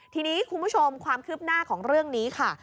ทีนี้คุณผู้ชมความคืบหน้าของเรื่องนี้ค่ะ